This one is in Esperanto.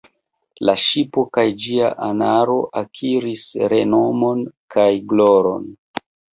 La ŝipo kaj ĝia anaro akiris renomon kaj gloron.